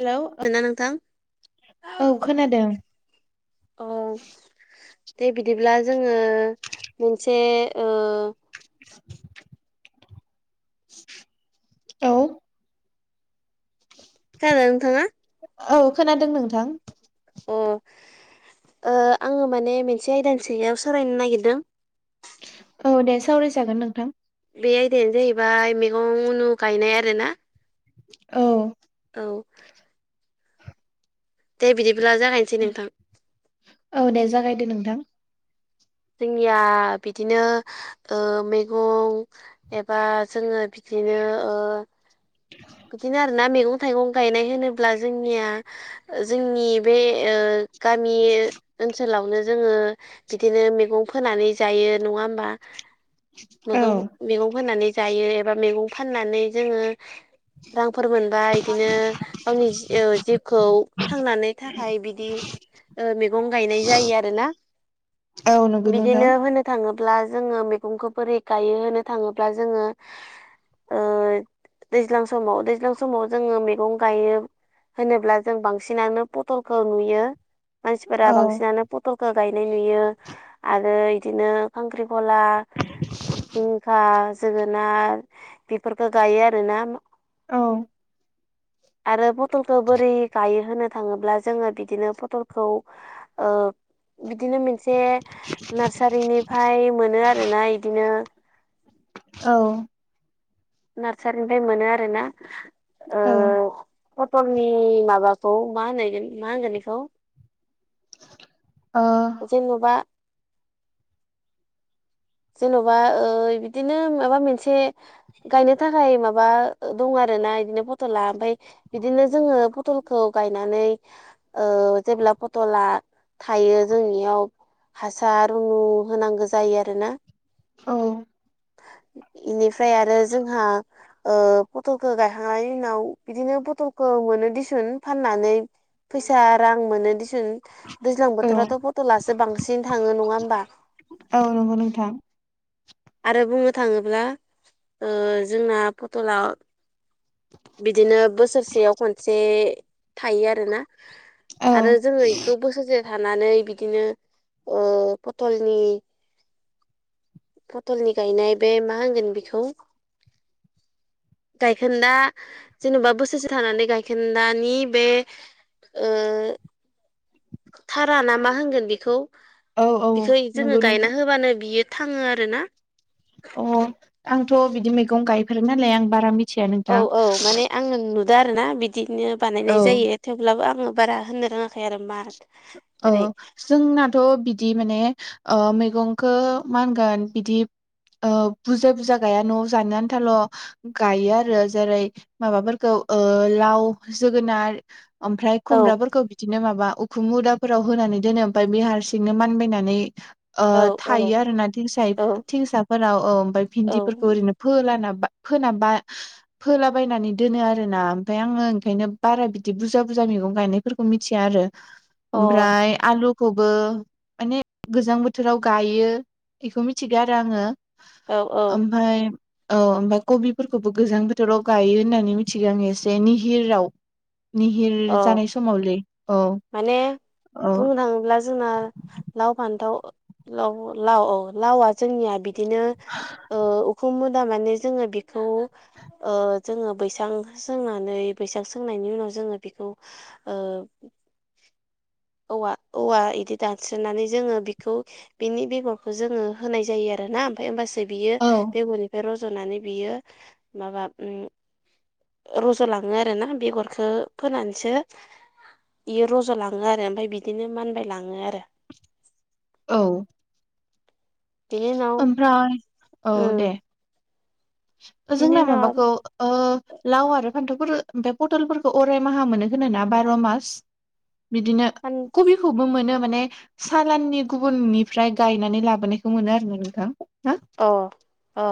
hello खोनादोंना नोंथां औ खोनादों औ दे बिदिब्ला जोङो मोनसे ओ [unintelligible] औ जागोन नोंथाङा औ खोनादों नोंथां अ आङो माने मोनसे आयदानि साङायाव सावरायनो नागिरदों औ दे सावरायजागोन नोंथां बे आयदायानो जाहैबाय मैगं उनु गायनाय आरो ना औ औ दे बिदिब्ला जागायनोसै नोंथां औ दे जागायदो नोंथां जोंनिया बिदिनो मैगं एबा जोङो बिदिनो बिदिनो आरो ना मेगं थाइगं गायनाय होनोब्ला जोंनिया जोंनि बे ओ गामि ओन सोलावनो जोङो बिदिनो मैगं फोनानै जायो नङा होमबा औ मैगं मैगं फोननानै जायो एबा मैगं फाननानै जोङो रांफोर मोनबा बिदिनो गावनि जिउखौ थांनानै थाखाय बिदि मैगं गायनाय जायो आरो ना औ नुगोन नोंथां थाङोब्ला जोङो मैगंखौ बोरै गायो होनो थाङोब्ला जोङो दैज्लां समाव दैज्लां समाव जोङो मैगं गायो होनोब्ला जों बांसिनानो पथलखौ नुयो मानसिफोरा औ बांसिनानो पटलखौ गायनाय नुयो आरो इदिनो खांख्रिखला जिंखा जोगोनार बेफोरखौ गायो आरोना औ आरो पटलखौ बोरै गायो होनो थाङोब्ला जोङो बिदिनो फटलखौ औ बिदिनो मोन से नार्सारिनिफ्राय मोनो आरोना इदिनो औ नार्सारिनिफ्राय मोनो आरो ना औ फटलनि माबाखौ मा होननाय मा होनगोन बेखौ ओ जेन'बा जेन'बा बिदिनो माबा मोनसे गायनो थाखाय माबा दं आरो ना बिदिनो फटला ओमफाय बिदिनो जोङो पथलखौ गायनानै जेब्ला फटला थायो जोंनियाव हासार उनु होनांगौ जायो आरोना औ इनिफ्राय आरो जोंहा पटलखौ गायखांनायनि उनाव बिदिनो पथलखौ मोनो दिसुन फाननानै फैसा रां मोनो दिसुन दैज्लां बोथोरावथ' फट'लासो बांसिन थाङो नङा होमबा औ नंगौ नोंथां आरो बुंनो थाङोब्ला जोंना पटलाव ् [inaudible] बिदिनो बोसोरसेयाव खनसे थायो आरोना औ आरो जोङो बेखौ बोसोरसे थानानै बिदिनो पथलनि पटलनि गायनाय बे मा होनगोन बेखौ गायखोनदा जेनेबा बोसोरसे थानानै गायखोनदानि बे थारा ना मा होनगोन बेखौ औ बिखौ नंगौ जोङो नोंथां गायना होबानो बियो थाङो आरो ना अ आंथ' बिदि मैगं गायफेरै नालाय आं बारा मिथि औ औ माने आङो नुदो आरो ना बिदिनो औ बानायनाय जायो थेवब्लाबो आङो बारा होननो रोङाखै आरो मा अ बोरै जोंनाथ' बिदि माने मैगंखौ माहोनगोन बिदि बुरजा बुरजा गाया न'आव जानो आन्थाल' गायो आरो जेरै माबाफोरखौ लाव जोगोनार ओमफ्राय औ खुमब्राफोरखौ बिदिनो माबा उखुम उदाब फोराव होनानै दोनो ओमफ्राय बे हारसिंनो मानबायनानै औ औ थायो आरो थिं औ थिंसाफोराव ओमफ्राय भिन्दिफोरखौ ओरैनो फालाना फोनाबा फोलाबायनानै दोनो आरो ना ओमफ्राय आङो ओंखायनो बारा बिदि बुरजा बुरजा मैगं गायनाय फोरखौ मिथिया आरो अ ओमफ्राय आलुखौबो माने गोजां बोथोराव गायो बेखौ मिथिगौ आरो आङो औ औ ओमफ्राय औ ओमफ्राय कबिफोरखौबो गोजां बोथोराव गायो होननानै मिथिगौ आङ एसे निहिराव निहिर अ जानाय समावलै औ माने औ बुंनो थाङोब्ला जोना लाव फान्थाव लाव लाव औ लाव आ जोंनिया बिदिनो उखु मुदा माने जोङो बेखौ जोङो बैसां सोंनानै बैसां सोंनायनि उनाव जोङो बेखौ औ औवा औवा बिदि दानस्रोननानै जोङो बेखौ बेनि बेगरखौ जोङो होनाय जायो आरो ना ओमफ्राय होमबासो बियो औ बेगरनिफ्रायल' फज'नानै बियो माबा रज'लाङो आरोना बेगरखौ फोनानैसो बियो रज'लाङो आरो ओमफ्राय बिदिनो मानबाय लाङो आरो औ बेनि उनाव ओमफ्राय औ उम दे बिनि जोंना उनाव आरो माबाखौ लाव आरो फान्थावफोर ओमफ्राय पटलफोरखौ अराय माहा मोनो होनो ना बार' मास बिदिनो [inaudible] कबिखौबो मोनो माने सालाननि गुबुननिफ्राय गायनानै लाबोनायखौ मोनो आरोना नोंथां ना अ अ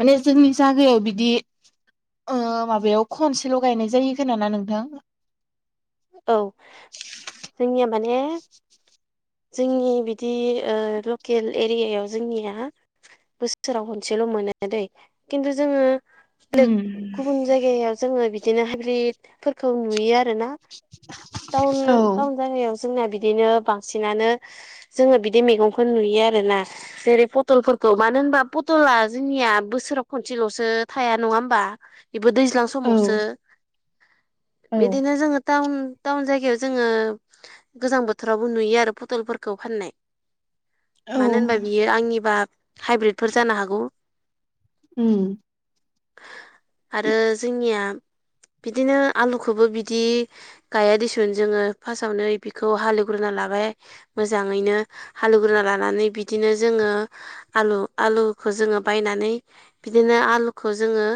माने जोंनि जागायाव बिदि माबायाव खनसेल' गायनाय जायो खोनाना नोंथां औ जोंनिया माने जोंनि बिदि लकेल एरियायाव जोंनिया बोसोराव खनसेल' मोनो दै खिन्थु जोङो [unintelligible] उम गुबुन जायगायाव जोङो बिदिनो हाद्रिफोरखौ नुयो आरो ना टाउन औ टाउन जायगायाव जोंना बिदिनो बांसिनानो जोङो बिदि मैगंखौ नुयो आरो ना जेरै पटलफोरखौ मानो होनबा पटला जोंनिया बोसोराव खनसेल'सो थाया नङा होमबा बेबो दैज्लां औ समावसो औ बिदिनो जोङो टाउन टाउन जायगायाव जोङो गोजां बोथोरावबो नुयो आरो फटलफोरखौ फाननाय औ मानो होनबा बियो आंनिबा हाइब्रिदफोर जानो हागौ [unintelligible] आरो जोंनिया बिदिनो आलुखौबो बिदि गाया दिसुन जोङो फासावनो बिखौ हालेवग्रोना लाबाय मोजाङैनो हालौग्रोना लानानै बिदिनो जोङो आलु आलुखौ जोङो बायनानै बिदिनो आलुखौ जोङो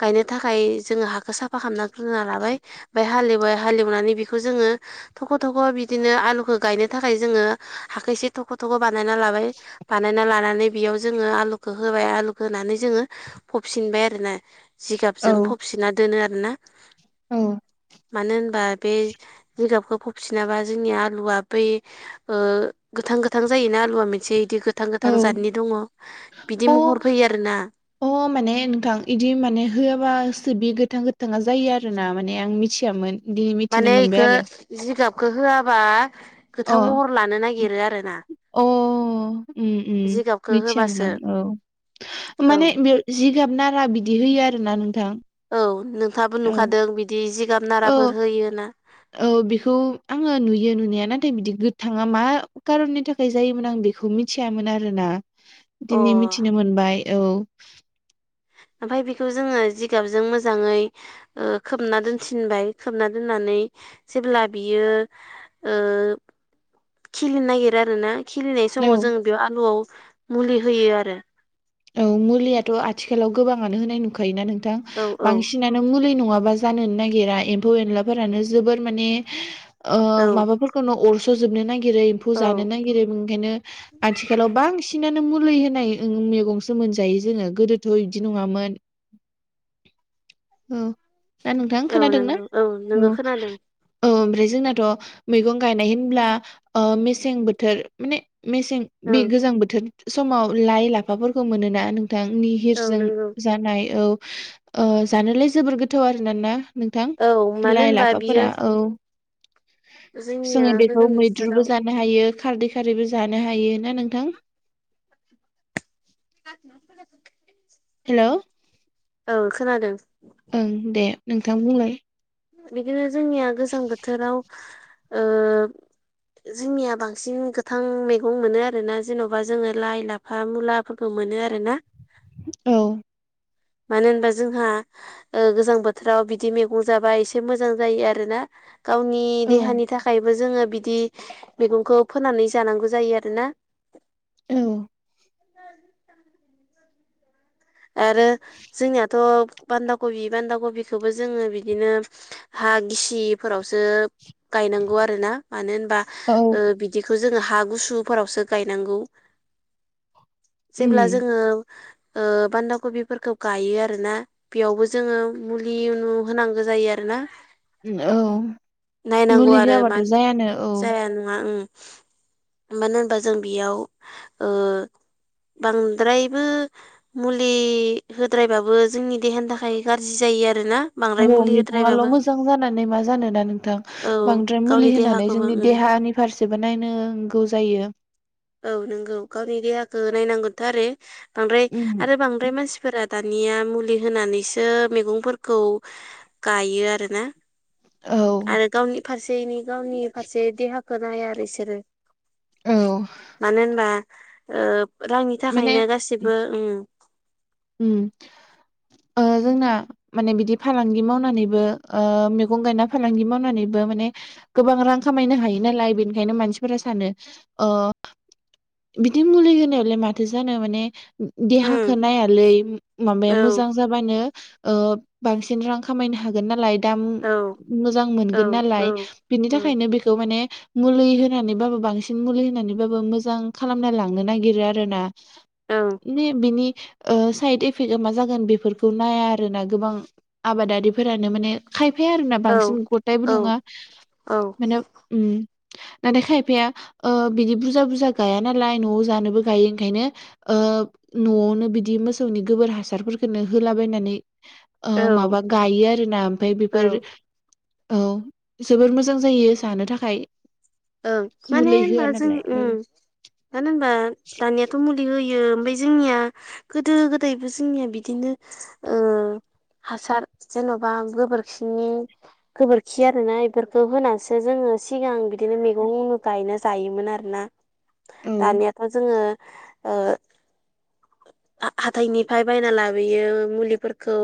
गायनो थाखाय जोङो हाखौ साफा खालामना ग्रोना लाबाय ओमफाय हालेवबाय हालेवनानै बेखौ जोङो थख' थख' बिदिनो आलुखो गायनो थाखाय जोङो हाखो इसे थख' थख' बानायना लाबाय बानायना लानानै बेयाव जोङो आलुखौ होबाय आलुखौ होनानै जोङो फबसिनबाय आरो ना जिगाबजों औ फबसिनना दोनो आरोना मानो होन बा बे जिगाबखौ फबसिनाबा जोंनि आलुवा बै गोथां गोथां जायोना आलुवा मोनसे इदि गोथां गोथां जादनि दङ बिदि औ अ महर फैयो आरोना अ माने नोंथां इदि माने होआबासो बि गोथां गोथाङा जायो आरो ना माने आं मिथियामोन दिनै मिथिनो माने मोनबाय इखौ आरो जिगाबखो होआबा अ गोथां महर लानो नागिरो आरो ना अ जिगाबखौ मिथियामोन होबासो आं औ औ माने बेव जिगाब नारा बिदि होयो आरोना नोंथां औ नोंथाङाबो औ नुखादों बिदि जिगाब औ नाराफोर होयो होनना औ बेखौ आङो नुयो नुनाया नाथाय बिदि गोथाङा मा कारननि था खाय जायोमोन आं बेखौ मिथियामोन आरो ना अ दिनै मिथिनो मोनबाय औ ओमफाय बेखौ जोङो जिगाबजों मोजाङै खोबना दोनसिनबाय खोबना दोननानै जेब्ला बियो खिलिनो नागिरो आरो ना खिलिनाय औ समाव जों बेयाव आलुवाव मुलि होयो आरो औ मुलियाथ' आथिखालाव गोबाङानो होनाय नुखायोना नोंथां औ औ बांसिन नानो मुलि नङाबा जोनो नागिरा एम्फौ एनलाफोरानो जोबोर माने औ माबाफोर खौनो अरस' जोबनो नागिरो एम्फौ औ जानो नागिरो बिनिखायनो आथिखालाव बांसिन नानो मुलि होनाय मैगं सो मोनजायो जोङो गोदोथ' इदि नङामोन औ दा नोंथां औ खोनादोंना नंगौ नंगौ औ खोनादों औ ओमफ्राय जोंनाथ' मैगं गायनाय होनब्ला मेसें बोथोर माने मेसें औ बे गोजां बोथोर समाव लाइ लाफाफोरखौ मोनोना नोंथांनि औ हिरजों नंगौ जानाय औ जानोलाय जोबोर गोथाव आरो ना नोंथां औ मानो लाइ होनबा बियो लाफाफोरा औ जोंनिया जोङो बेखौ गोजां मैद्रुबो बोथोराव जानो हायो खारदै खारैबो जानो हायो ना नोंथां हा [unintelligible] हेलौ औ खोनादों ओं दे नोंथां बुंलाय बिदिनो जोंनिया गोजां बोथोराव ओ [inaudible] जोंनिया बांसिन गोथां मैगं मोनो आरोना जेन'बा जोङो लाइ लाफ लाफा मुलाफोरखौ मोनो आरो ना औ मानो होनबा जोंहा गोजां बोथोराव बिदि मैगं जाबा एसे मोजां जायो आरो ना गावनि औ देहानि थाखायबो जोङो बिदि मैगंखौ फोनानै जानांगौ जायो आरोना औ हो [inaudible] आरो जोंनियाथ' बान्दा कबि बान्दा कबिखौबो जोङो बिदिनो हा गिसिफोरावसो गायनांगौ आरो ना मानो होनबा औ बि बिखौ जोङो हा गुसुफोरावसो गायनांगौ जेब्ला उम जोङो बान्दा कबिफोरखौ गायो आरोना बेयावबो जोङो मुलि उनु होनांगौ जायो आरो ना औ नायनांगौ मुलि आरो होआबाथ' मानो जायानो औ जाया नङा मानो होनबा जों बेयाव ओ बांद्रायबो मुलि होद्रायबाबो जोंनि देहानि थाखाय गाज्रि जायो आरो ना औ मैगंल' मोजां जानानै मा जानोना नोंथां औ बांद्राय मुलि गावनि होनानै देहाखौबो जोंनि ओं देहानि फारसेबो नायनांगौ जायो औ नंगौ गावनि देहाखौ नायनांगोनथ' आरो बांद्राय उम आरो बांद्राय मानसि फोर दानिया मुलि होनानैसो मैगंफोरखौ गायो आरोना औ आरो गावनि फारसेनि गावनि फारसे देहाखौ नाया आरो बिसोरो औ मानो होनबा रांनि माने थाखायनो गासिबो उम जोंना माने बिदि फालांगि मावनानैबो ओ मैगं गायना फालांगि मावनानैबो माने गोबां रां खामायनो हायो नालाय बेनिखायनो मानसिफोरा सानो ओ बिदि मुलि होनायावलाय माथो जानो माने उम देहाखौ नाया ओरै औ मोजां जाबा ओ‌ बांसिन रां खामायनो हायो नालाय दाम औ मोजां औ मोनगोन औ नालाय बिनि औ थाखायनो बेखौ माने मुलि होनानैबाबो बांसिन मुलि होनानैबाबो मोजां खालामना लांनो नागिरो आरो ना ओं बि बिनि साइड इफेक्टआ मा जागोन बेफोरखौ नाया आरोना गोबां आबादारिफोरानो माने खायफाया आरोोना औ बांसिन गथायबो औ नङा औ माने नाथाय खायफाया बिदि बुरजा बुरजा गाया नालाय न'आव जानोबो गायो ओंखायनो न'आवनो बिदि मोसौनि गोबोर हासारफोरखौनो होलाबायनानै औ माबा गायो आरो ना ओमफ्राय औ बेफोर औ जोबोर मोजां जायो जानो थाखाय ओं माने मुलि होनबा होआ जों नालाय ओ औ मानो होनबा दानियाथ' मुलि होयो ओमफ्राय जोंनिया गोदो गोदायबो जोंनिया बिदिनो हासार जेन'बा गोबोरखिनि गोबोरखि आरोोना बेफोरखौ होनासो जोङो सिगां बिदिनो मैगं गायना जायोमोन आरोना औ दानियाथ' जोङो ओ हाथथायनिफ्राय बायना लाबोयो मुलिफोरखौ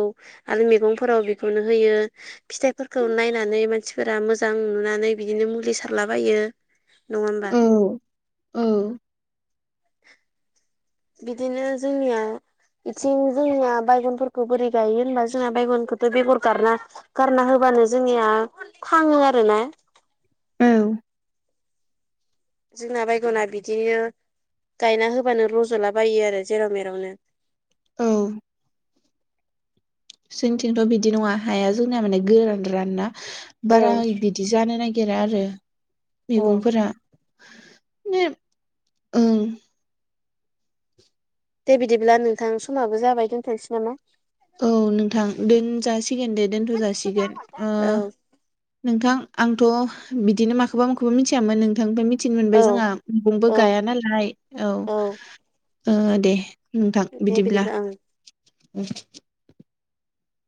आरो मैगंफोराव बेखौनो होयो फिथाइफोरखौ नायनानै मानसिफोरा मोजां नुनानै बिदिनो मुलि सारलाबायो नङा होमबा औ बिदिनो जोंनियाव बेथिं जोंया बायगनफोरखौ बोरै गायो होनबा जोंहा बायगनखौथ' बेगर गारा गारना होबानो जोंनिया थाङो आरो ना औ जोंना बायगना बिदिनो गायना होबानो रज'लाबायो आरो जेराव मेरावनो औ जोंनिथिंथ' बिदि नङा हाया जोंनाया माने गोरानरान ना औ बारा बिदि जानो नागिरा नागिरा आरो औ मैगंफोरा बिनो ओं दे बिदिब्ला नोंथां समाबो जाबाय दोनथोंनोसै नामा औ नोंथां दोनजासिगोन दे दोनथ' जासिगोन औ नोंथां आंथ' बिदिनो माखौबा माखौबा मिथियामोन नोंथांनिफ्राय मिथि थिनो मोनबाय औ जोंहा मैगंबो औ गाया नालाय औ दे नोंथां दे बिदिब्ला ओं